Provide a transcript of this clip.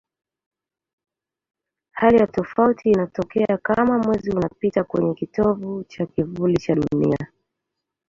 Hali ya tofauti inatokea kama Mwezi unapita kwenye kitovu cha kivuli cha Dunia.